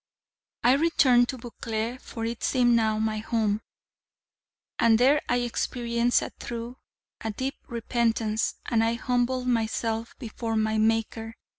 I returned to Vauclaire, for it seemed now my home; and there I experienced a true, a deep repentance; and I humbled myself before my Maker.